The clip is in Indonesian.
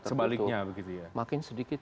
terbentuk makin sedikit